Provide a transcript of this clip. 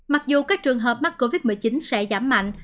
mặc dù các trường hợp mắc covid một mươi chín sẽ giảm mạnh